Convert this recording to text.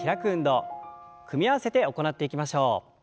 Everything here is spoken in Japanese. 組み合わせて行っていきましょう。